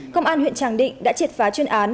công an huyện tràng định đã triệt phá chuyên án